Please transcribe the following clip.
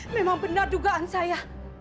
memang benar dugaan saya